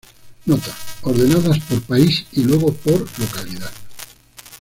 Nota: Ordenadas por país, y luego por localidad